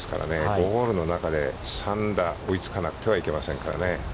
５ホールの中で３打追いつかなくてはいけませんからね。